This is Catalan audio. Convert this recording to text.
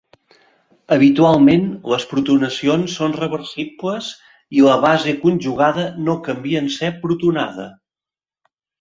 Habitualment, les protonacions són reversibles i la base conjugada no canvia en ser protonada.